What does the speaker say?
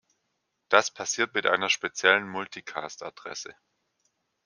Das passiert mit einer speziellen Multicast-Adresse.